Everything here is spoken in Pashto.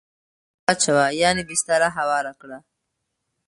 ځای واچوه ..یعنی بستره هواره کړه